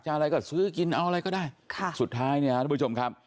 อะไรก็ซื้อกินเอาอะไรก็ได้ค่ะสุดท้ายเนี่ยฮะทุกผู้ชมครับ